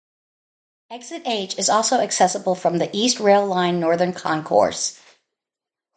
Exit H is also accessible from the East Rail Line northern concourse.